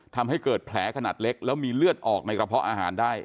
ทำให้เกิดแผลขนาดเล็กแล้วมีเลือดออกในกระเพาะอาหารได้